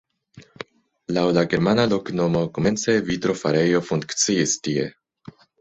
Laŭ la germana loknomo komence vitrofarejo funkciis tie.